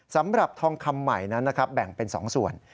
สำหรับทองคำใหม่นั้นนะครับแบ่งเป็น๒ส่วน